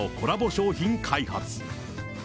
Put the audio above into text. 商品開発。